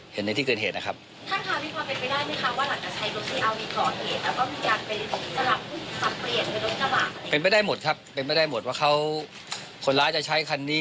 เป็นรถกระหว่างเป็นไปได้หมดครับเป็นไปได้หมดครับว่าเขาคนร้ายจะใช้คันนี้